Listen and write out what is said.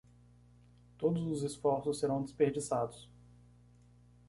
Todos os esforços serão desperdiçados